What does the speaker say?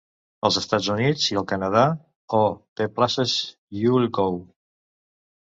Als Estats Units i al Canadà, Oh, the Places You'll Go!